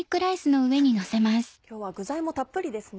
今日は具材もたっぷりですね。